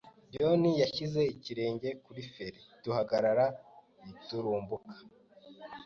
John yashyize ikirenge kuri feri duhagarara giturumbuka.